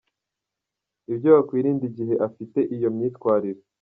Ibyo wakwirinda igihe afite iyo myitwarire.